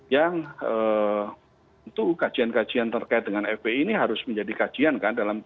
yang tentu kajian kajian terkait dengan fpi ini harus menjadi kajian kan